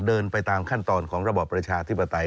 เดินไปตามขั้นตอนของระบอบประชาธิปไตย